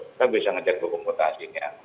kita bisa ngecek komputasinya